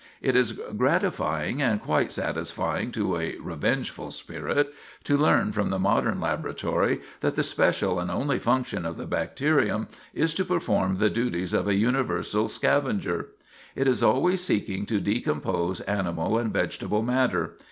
It is gratifying, and quite satisfying to a revengeful spirit, to learn from the modern laboratory that the special and only function of the bacterium is to perform the duties of a universal scavenger. It is always seeking to decompose animal and vegetable matter.